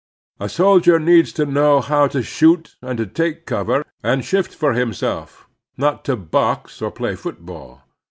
A soldier needs to know how to shoot and take cover and shift for himself — ^not to box or play football.